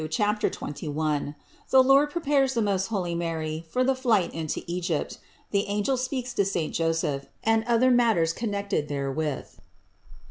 CHAPTER XXL THE LORD PREPARES THE MOST HOLY MARY FOR THE FLIGHT INTO EGYPT; THE ANGEL SPEAKS TO SAINT JOSEPH; AND OTHER MATTERS CONNECTED THERE WITH.